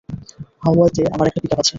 হাওয়াইতে আমার একটা পিকআপ আছে।